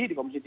di komisi tiga